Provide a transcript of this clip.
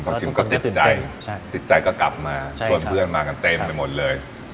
พอชิมก็ติดใจติดใจก็กลับมาชวนเพื่อนมากันเต็มไปหมดเลย